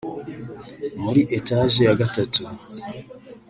muri etaje ya gatatu